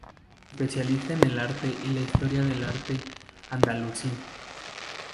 Especialista en el arte y la historia del arte andalusí.